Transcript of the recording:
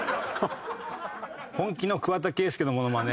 「本気の桑田佳祐のモノマネ」